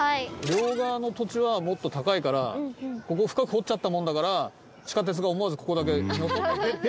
両側の土地はもっと高いからここを深く掘っちゃったもんだから地下鉄が思わずここだけ出ちゃう出ちゃう。